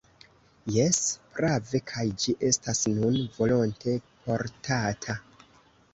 Jes, prave, kaj ĝi estas nun volonte portata.